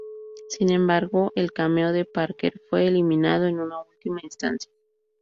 Sin embargo, el cameo de Parker fue eliminado en una última instancia.